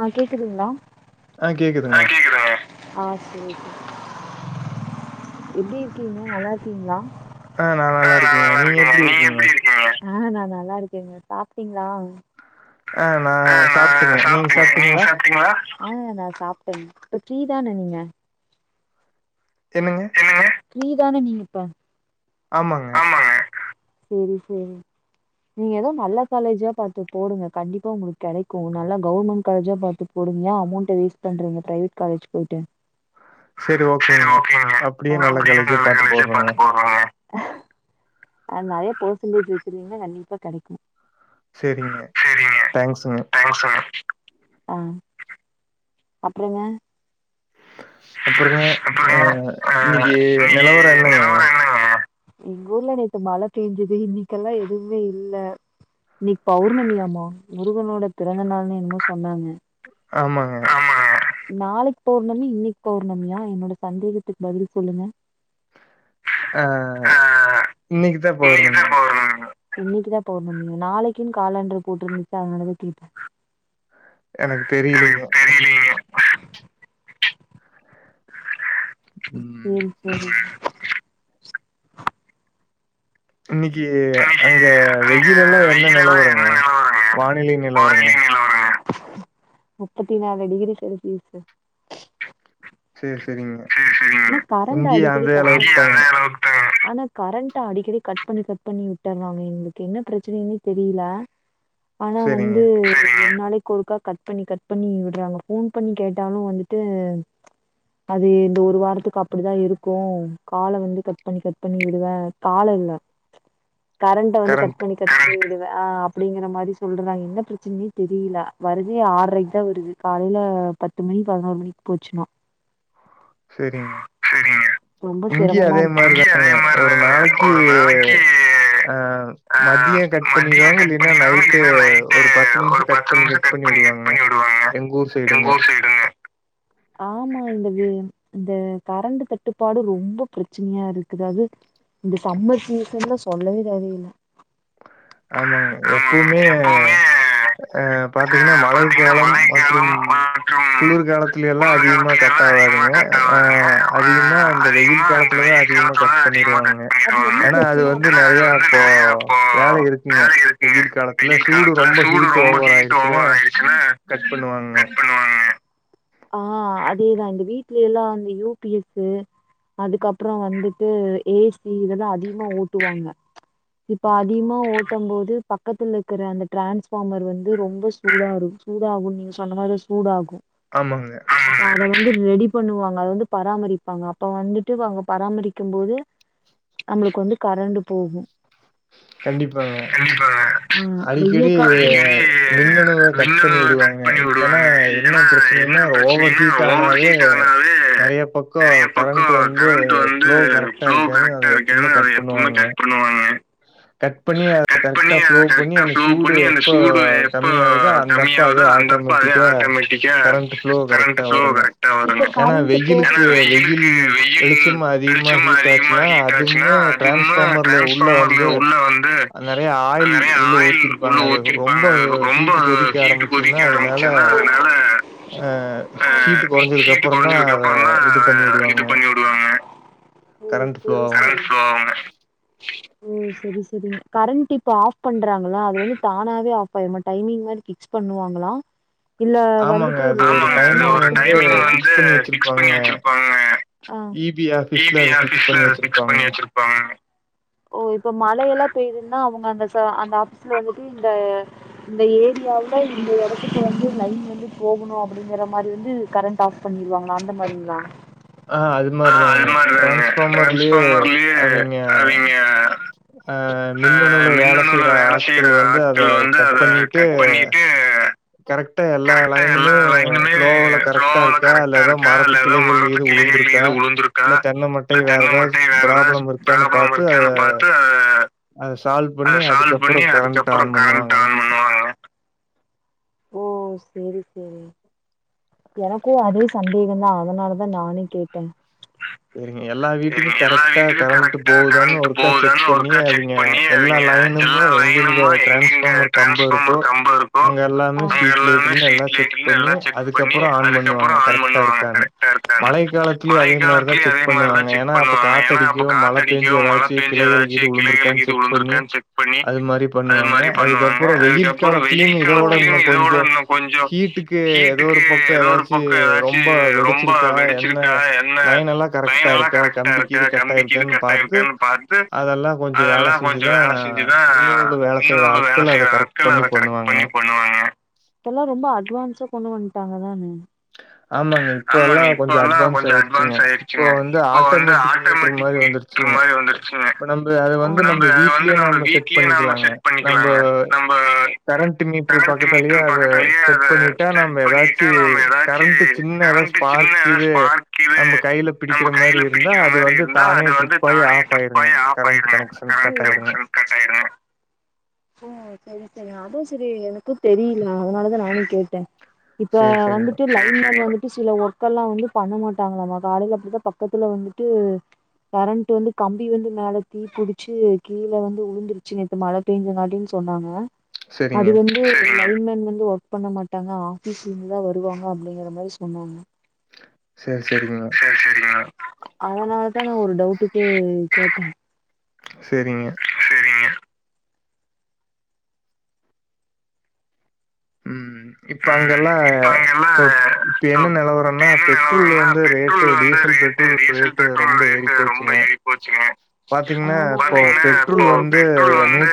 ஆ கேக்குதுங்ளா ஆ sir sir எப்டி இருக்கிங்க நல்லாருக்கிங்ளா ஆ நா நல்லாருக்கேங்க நீங்க எப்டி இருக்கிங்க ஆ நா நல்லாருக்கேங்க சாப்டிங்ளா ஆ நா சாப்ட்டுங்க நீங் சாப்டிங்ளா ஆ நா சாப்டேங் இப்ப ஃரீதான நீங்க என்னங்க ஃப்ரீ தான நீங்க இப்ப ஆமாங் செரி செரி நீங்க எதோ நல்ல காலேஜ்ஜா பாத்து போடுங்க கண்டிப்பா உங்ளுக் கெடைக்கு நல்லா கவுர்மண்ட் காலேஜ்ஜா பாத்துப் போடுங்க அமோண்ட்ட வேஸ்ட் பண்றிங்க ப்ரைவேட் காலேஜ் போய்ட்டு செரி ஓக்கேங்க அப்டியே நல்ல காலேஜா பாத்து போர்றங்க போறாங்ளே அண் நறைய போர்செண்டேஜ் வச்சிருந்திங்ன்னா கண்டிப்பா கெடிக்கும் சேரிங்க தேங்க்ஸுங்க [unintelligible] ஆ அப்றோங்க அப்றோங்க அ இன்னிக்கி நெலவரோ என்னங்க எங்கூர்ல நேத்து மழ பேஞ்சுது இன்னிக்கெல்லா எதுவுமே இல்ல இன்னிக் பௌர்ணமியாமா முருகனோட பிறந்த நாள்னு என்னமோ சொன்னாங்க ஆமாங்க நாளைக்கு பௌர்ணமி இன்னைக் பௌர்ணமியா என்னோட சந்தேகத்துக்கு பதில் சொல்லுங்க ஆ இன்னைக்தா பௌர்ணமி இன்னைக்தா பௌர்ணமியா நாளைக்குன்னு காலண்டர்ல போட்டு இருந்துச்சு அதனாலதா கேட்ட எனக் தெரியிலீங்க லிங்க செரி செரி இன்னைக்கு அங்க வெயில் எல்லா என்ன நிலவரங்க வானிலை நிலவரங்க முப்பத்தி நாலு டிகிரி செல்சியஸூ சேரி சேரிங்க கரண்ட் அடிக்கடி கட் ஆனா கரண்ட் அடிக்கடி கட் பண்ணி கட் பண்ணி விட்றாங்க எங்களுக்கு என்ன பிரச்சனைனே தெரில ஆனா வந்து ஒரு நாளைக்கு ஒறுக்கா கட் பண்ணி கட் பண்ணி விட்றாங்க போன் பண்ணி கேட்டாலு வந்துட்டு அது இந்த ஒரு வாரத்துக்கு அப்டிதா இருக்கு கால வந்து கட் பண்ணி கட் பண்ணி விடுவ கால இல்ல கரண்ட வந்து கட் பண்ணி கட் பண்ணி விடுவ ஆ அப்டிங்கிற மாதிரி சொல்றாங் என்ன பிரச்சனனே தெரில வருது ஆரைக்கு தா வருது காலையில பத்து மணி பதினோரு மணிக் போச்சுனா சேரிங்க சேரிங்க இங்கயு அதே மாதிரிதாங்க ஒரு நாளைக்கு அ மதிய கட் பண்ணிருவாங்க இல்லைனா நைட்டு ஒரு பத்து நிமிஷ கட் பண்ணி கட் பண்ணி‌ விடுவாங்கங்க எங்க ஊர் சைடுங்க ஆமா அ இந்த வெயி இந்த கரண்டு தட்டுபாடு ரொம்ப பிரச்சனையா இருக்குது அது இந்த சம்மர் சீசன்லா சொல்லவே தேவையில்ல ஆமாங்க எப்போமே அ பாத்தீங்னா மழைகாலம் மற்றும் ம் எல்லா அதிகமா கட் ஆவாதுங்க அ அதிகமா இந்த வெயில் காலத்துல தா அதிகமா கட் பண்ணிருவாங்க ஏனா அது வந்து நெறைய இப்போ வேலை இருக்குங்க வெயில் காலத்துல சூடு ரொம்ப ஹீட் ஓவர் ஆயிடுச்சுனா கட் பண்ணுவாங்க அ அதேதா இந்த வீட்ல எல்லா இந்த யூ பி எஸு அதுக்கப்றோ வந்துட்டு ஏ சி இதலா அதிகமா ஓட்டுவாங்க இப்ப அதிகமா ஓட்ட போது பக்கத்துல இருக்கற அந்த ட்ரான்ஸ்பார்மர் வந்து ரொம்ப சூடாரு சூடாகு நீங்க சொன்ன மாரி சூடாகு ஆமாங்க அத வந்து ரெடி பண்ணுவாங்க அத வந்து பராமரிப்பாங்க அப்ப வந்துட்டு வா பராமரிக்க போது நம்மளுக்கு வந்து கரண்டு போகு கண்டிப்பாங்க அடிக்கடி மின்னணு தட்டு பண்ணி விடுவாங்க இல்லனா என்ன பிரச்சனைன்னா ஓவர் ஹீட் ஆனாவே நெறைய பக்கோ கரண்ட் வந்து ஃப்ளோ கரெக்டா இருக்காது அத எப்பவுமே கட் பண்ணுவாங்க கட் பண்ணி அத கரெக்டா ஃப்ளோ பண்ணி அந்த சூடு எப்போ கம்மி ஆவுதோ வந்தப்ப அதுவே ஆட்டோமேட்டிக்கா கரண்ட் ஃப்ளோ கரெக்டா வருங்க ஏன்னா வெயிலுக்கு வெயில் வெளிச்சம் அதிகமா ஹீட் ஆச்சுன்னா அதுவுமு டிரான்ஸ் ஃபார்மர்ல உள்ள வந்து நெறைய ஆயில் உள்ள ஊத்திருப்பாங்க அது ரொம்ப ஹீட் கொதிக்க ஆரம்பி கொதிக்க ஆரம்பிச்சுன்னா அதனால அ ஹீட்டு கொறஞ்சதுக்கு அப்புறந்தா இது பண்ணிவுடுவாங்க ம் செரி செரி கரண்ட் ப்ளோங்க ம் செரி இதுங் கரண்ட் இப்போ ஆஃப் பண்றாங்களா அது வந்து தானாவே ஆஃப் ஆயிருமா டைமிங் மாறி ஃபிக்ஸ் பண்ணுவாங்களா இல்ல வந்துட்டு ஆமாங்க அது ஒரு டைமிங் வந்து ஃபிக்ஸ் பண்ணி வச்சிருப்பாங்க அ இ பி ஆபீஸ்ல அத ஃபிக்ஸ் பண்ணி வெச்சிருப்பாங்க ஓ இப்ப மழையெல்லா பெய்யுதுன்னா அவுங்க அந்த சா அந்த ஆபீஸ்ல வந்துட்டு இந்த இந்த ஏரியாவுல இந்த இடத்துக்கு வந்து லைன் வந்து போகணு அப்டிங்கிற மாறி வந்து கரண்ட் ஆஃப் பண்ணிருவாங்களா அந்த மாறிங்ளா அ அது மாறிதாங்க டிரான்ஸ்ஃபார்மர்லயே அவிங்க அ மின்னணுல வேலை செய்ற ஆட்கள் வந்து அத கட் பண்ணிட்டு கரெக்டா எல்லா லைனுமே ஃப்ளோல கரெக்ட்டா இருக்கா இல்ல ஏதோ மரத்து கிளைகள்ல கீது உழுந்துருக்கா இல்ல தென்னை மட்டை வேற ஏதாவது ஃப்ராப்ளம் இருக்கான்னு பாத்து அத அத சால்வ் பண்ணி அதுக்கப்புறோ கரண்ட் ஆன் பண்ணுவாங்க ஓ சேரி சேரி எனக்கும் அதே சந்தேகந்தா அதனாலதா நானும் கேட்டே செரிங்க எல்லா வீட்டுக்கும் கரெக்டா கரண்ட் போகுதானு ஒருக்கா செக் பண்ணி அவிங்க எல்லா லைனுமு எங்கெங்க டிரான்ஸ்பார்மர் கம்போ இருக் கோ அங்க எல்லாமே ஸ்ட்ரீட் லைட் இருந்து எல்லா செக் பண்ணி அதுக்கப்புறோ ஆன் பண்ணுவாங்க கரெக்டா இருக்கான்னு மழை காலத்துலயே அதே மாறிதா செக் பண்ணுவாங்க ஏன்னா அப்ப காத்தடிக்கும் மழை பெஞ்சு ஏதாச்சு கிளைகள் கீது உழுந்துயிருக்கான்னு செக் பண்ணி அது மாறி பண்ணுவாங்க அதுக்கப்புறோ வெயில் காலத்துலயு இத விட இன்னும் கொஞ்சோ ஹீட் க்கு ஏதோ ஒரு பக்கம் ஏதாச்சு ரொம்ப வெடிச்சிருக்கா என்ன லைன் எல்லா கரெக்ட்டா இருக்கா கம்பி கீது கட்டாயி இருக்கான்னு பாத்து அதெல்லா கொஞ்சோ வேலை செஞ்சுதா மின்னணுல வேலை செய்ற ஆட்கள் அதை கரெக்ட் பண்ணி பண்ணுவாங்க இப்பல்லா ரொம்ப அட்வான்ஸா கொண்டு வன்ட்டாங்க தான ச ஆமாங்க இப்ப எல்லா கொஞ்சோ அட்வான்ஸ் ஆயிருச்சுங்க இப்போ வந்து ஆட்டோமேட்டிக் மீட்டர் மாறி வந்துருச் சுங்க இப்ப நம்ப அத வந்து நம்ப வீட்லயே நம்ப செட் பண்ணிக்கலாங்க நம்ப கரண்ட் மீட்டரு பக்கத்தாலயே அத செட் பண்ணிட்டா நம்ம ஏதாச்சு கரண்ட் சின்ன ஏதா ஸ்பார்க் கீது நம்ப கைல பிடிக்கிற மாறி இருந்தா அது வந்து தானே ட்ரிப் பாயி ஆஃப் ஆயிருங்க கரண்ட் கனெக்ஷன் கட் ஆயிருங்க கட்டாயிருங்க ஓ சரி சரி அதுவும் சரி எனக்கும் தெரியில அதனாலதா நானும் கேட்டே இப்ப வந்துட்டு சரி சரி லைன் மேன் வந்துட்டு சில ஒர்க் கெல்லா வந்துட்டு பண்ண மாட்டாங்களாமா காலைல அப்பிடித்தா பக்கத்துல வந்துட்டு கரண்ட் வந்து கம்பி வந்து மேல தீ பிடிச்சு கீழ வந்து உழுந்துருச்சு நேத்து மழ பேஞ்சாகாட்டின் சொன்னாங்க அது வந் து லைன்மேன் வந்து ஒர்க் பண்ண மாட்டாங்க ஆஃபிஸ்ல இருந்து தான் வருவாங்க அப்டிங்கற மாரி சொன்னாங்க சரி சரிங்க அதனாலதான நா ஒரு டவுட்டுக்கு கேட்டே செரிங்க செரிங்க உம் இப்ப அங்கல்லாம் இப்ப இப்ப என்ன நெலவரம்னா பெட்ரோல் வந்து ரேட்டு டீசல் பெ வந்து டீசல் பெட்ரோல் ரேட் ரொம்ப ஏறிப்போச்சுங்க பாத்தீங்கன்னா இப்போ பெட்ரோல் வந்து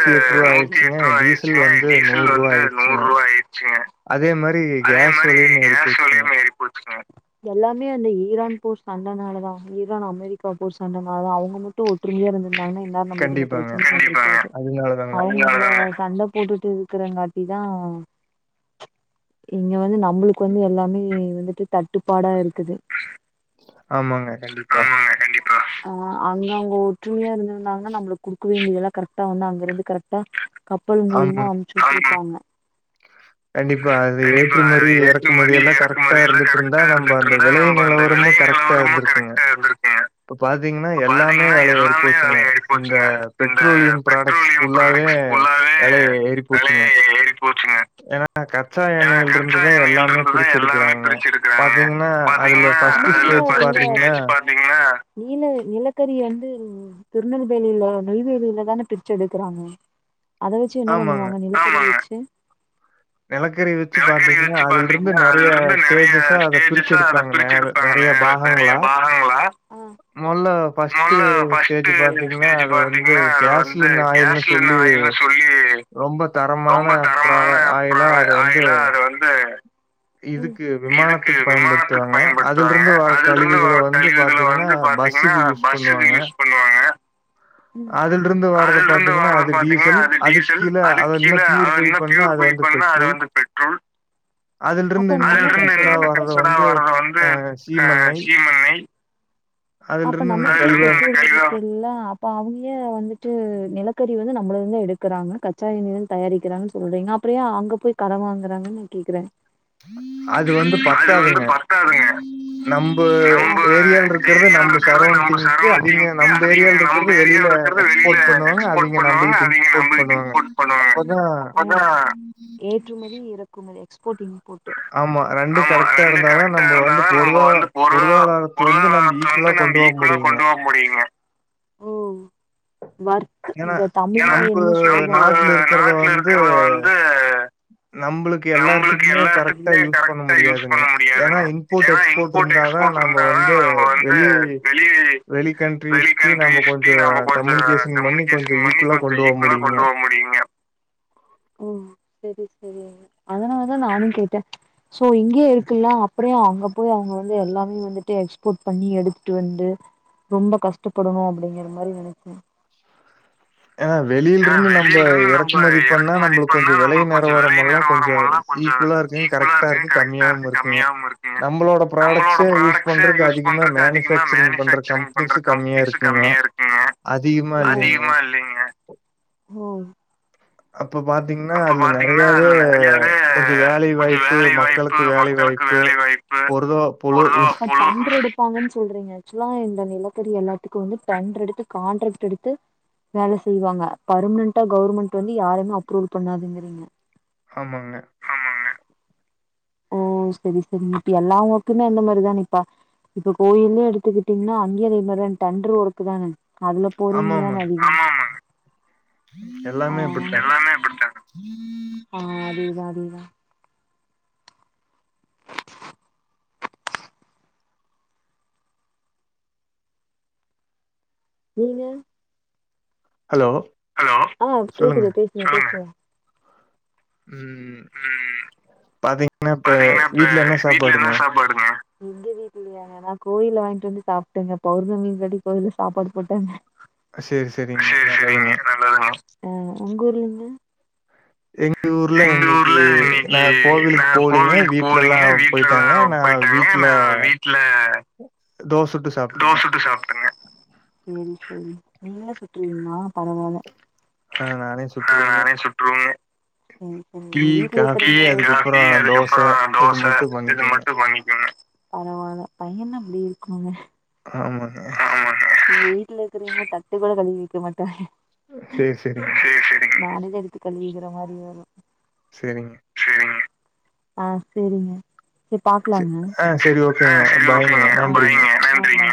நூத்தி எட்டு ரூவா ஆயிருச்சுங்க டீசல் வந்து நூறு ரூவா ஆயி ச்சுங்க அதே மார் அதே மாரி கேஸ் வெலையும் ஏறி போச்சுங்க எல்லாமே அந்த ஈரான் போர் சண்டனால தான் ஈரான் அமெரிக்கா போர் சண்டனால தான் அவுங்க ம ட்டு ஒற்றுமையா இருந்திருந்தாங்கன்னா இந் நேரம் நமக்கு இந்த பிரச்சனையே வந்து இருக்காது அவுங்க நல்ல சண்ட போட்டுட்டு இருக்கிறங்காட்டி தா இங்க வந்து நம்ளுக்கு வந்து எல்லாமே இருந்துட்டு தட்டுப்பாடா இருக்குது ஆமாங்க கண்டிப்பா ஆ அங்க அவுங்க ஒற்றுமையா இருந்திருந்தாங்கன்னா நம்மளுக்கு குடுக்க வேண்டியதெல்லாம் கரெக்ட்டா வந்து அங்க இருந்து கரெக்ட்டா கப்பல் மூழியம அம்ச்சுவுட்ருப்பாங்க கண்டிப்பா அது ஏற்றுமதி இறக்குமதி எல்லாம் கரெக்ட்டா இருந்துட்டு இருந்தா நம்ம அந்த விலை நிலவரமும் கரெக்ட்டா இருந்து இருக்குங்க இப்ப பாத்தீங்கன்னா எல்லாமே வெலயேறி போச்சுங்க இந்த பெட்ரோலியம் ப்ரா டக்ஸ் ஃபுல்லாவே வெல ஏறி போச்சுங்க போச்சுங்க ஏன்னா கச்சா எண்ணெயில் இருந்துதான் எல்லாமே பிரிச்சி எடுக்குறாங்க பாத்தீங்கன்னா அதுல ஃபஸ்ட் ப்ரஸ்டேஜ் பாத்தீங்கன்னா ம் திருநெல்வேலியில நெய்வேலியிலதான பிரிச்சு எடுக்றாங்க அத வச்சு என்ன பண்ணுவாங்க நிலக்கரி வச்சு நெலக்கரி வ ச்சு பாத்தீங்கன்னா அதுல இருந்து நெறைய ஸ்டேஜஸ்ஸா அத பிரிச்சு எடுப்பாங்கங்க நெறைய பா கங்களா மொல்ல ஃபஸ்ட் ஸ்டேஜ் பாத்தீங்கன்னா அது வந்து கேஸ்லின் ஆயில்ன்னு சொல்லி ரொம்ப தரமான பிராவ ஆயிலா அது வந்து அது வந்து இதுக்கு விமானத்துக்கு பயன்படுத்துவாங்க அதுல இருந்து வர கழிவுகள வந்து பாத்தீங்கன்னா பஸ்க்கு யூஸ் பண்ணுவாங்க அதுல இருந்து வரத பாத்தீங்கன்னா டீசல் அதுக்கு கீழ அத இன்னு பியூர்பை பண்ணா அது வந்து பெட்ரோல் அதுல இருந்து எண்ணெ கட் கச்சடா வாரத வந்து அ சீமண்ணெய் அப்போ நமக்கு [unintelligible] ஃபுல்லா அப்போ அவுங்ளே வந்துட்டு நிலக்கரி வந்து நம்மள வந்து எடுக்குறாங்க கச்சா எண்ணெய் தயாரிக்கிறாங்கன் சொல்றீங்க அப்புற யா அங்க போய் கடன் வாங்குறாங்கன்னு நா கேக்குறே அது வந்து பத்தாதுங்க நம்ப ஏரியாவ்ல இருக்க க்குறது நம சரவுண்டிங்கு அவிங்க நம்ம ஏரியாவ இருக்கிறது வெளியில எக்ஸ்போர்ட் பண்ணுவாங்க அவிங்க நம்ம வீட்டு ஆ ஏற்றுமதி இறக்குமதி எக்ஸ்போர்டிங் ஆமா ரெண்டு கரெக்டா இருந்தாதா நம்ம வந்து பொருளா பொருளாதாரத்த வந்து [unintelligible] நம்பி குள்ள கொண்டு போக முடியுங்க வர்க் இந்த தமிழ்ல எமோஷனல் தா நம்பளுக்கு எல்லாத்துக்குமே கரெக்ட் டா யூஸ் பண்ண முடியாதுங்க ஏன்னா இம்போர்ட் எக்ஸ்போர்ட் இருந்தாதா நாம வந்து வெளி வெளி கண்ட்ரிஸ்டி நம்ம கொஞ்ச கம்யூனிகேஷன் பண்ணி கொஞ்ச ஈக்குவலா ஞ்ச இக்குவலா கொண்டு போக முடியுங்க ஓ சரி சரி அதனாலதா நானு கேட்ட சோ இங்கயே இருக்குல்ல அப்டியே அவங்க போய் அவங்க வந்து எல்லாமே வந்துட்டு எக்ஸ்போர்ட் பண்ணி எடுத்துட்டு வந்து ரொம்ப கஷ்டப்படணு அப்படிங்கிற மாரி நெனைச்ச [inaudible] ஏங்க வெளியில இருந்து நம்ம இறக்குமதி பண்ணா நம்மளுக்கு கொஞ்ச விலை நிறவரம் எல்லா கொஞ்ச ஈக்குலா இருக்குங் கரெக்டா இருக்கு கம்மியாவு இருக்குங்க நமளோட ப்ராடக்ட்ஸ்ச யூஸ் பண்றதுக்கு அதிகமா மேனுபேக்சரிங் பண்ற கம்பெனிஸு கம்மியா இருக்குங்க அதிகமா இல்லைங்க ஓ அப்ப பாத்தீங்கன்னா அதுல நெறையாவே கொஞ்ச வேலை வாய்ப்பு மக்களுக்கு வேலை வாய்ப் இப்ப ஒரு தர போவோ இருப்பாங்கன்னு சொல்றீங்க ஆக்சுவலா இந்த நிலக்கரி எல்லாத்துக்கு வந்து டென்ரு எடுத்து கான்ட்ராக்ட் எடுத்து வேல செய்வாங்க பர்மனன்டா கவர்மெண்ட் வந்து யாருமே அப்ரூவல் பண்ணாதுங்கறிங்க ஆமாங்க ஓ சரி சரி இப்ப எல்லா ஒர்க்குமே அந்த மாரிதான இப்ப இப்ப கோயில்னு எடுத்துக்கிட்டீங்கன்னா அங்கய என்னது டெண்டர் ஒர்க்கு தானே அதுல பொருங்கதா அடி எல்லாமே அப்டித்தாங்க ஆ அதுதா அதுதா நீங்க ஹலோ ஹலோ சொல்லுங்க ம் பதி பாத்தீங்கன்னா இப்ப வீட்ல என்ன சாப்பாடுங்க ஏன்னா கோயில வாங்கிட்டு வந்து சாப்ட்டேங்க பௌர்ணமிக்காண்டி கோயில சாப்பாடு போட்டாங்க சரி சரிங்க நல்லதுங்க ஆ உங்க ஊர்லங்க எங்க ஊர்ல இன்னைக்கு நா கோவிலுக்கு போலங்க வீட்ல எல்லா போயிட்டாங்க நா வீட்டுல தோசட்டு தோச சுட்டு சாப்பட்டங்க ஆ நானே சுட்றுவங்க டீ காபி அதுக்கப்பற தோச இது மட்டு பண்ணிக்குங்க பரவால பையனா இப்டி இருக்கணுங்க ஆமாங்க விட்ல இருக்கிறீன தட்டு கூட கழுவி வக்க மாட்டாக சரி சரிங்க சரிங்க சரிங்க ஆ சரிங்க சரி பாக்லாங்க அ சரி ஓகேங்க பாய்ங்க நன்றிங்க